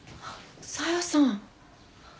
小夜さん。